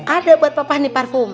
ada buat papa nih parfum